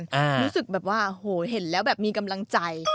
รู้สึกแบบว่าโหเห็นแล้วแบบมีกำลังใจ